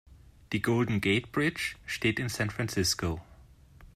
Die Golden Gate Bridge steht in San Francisco.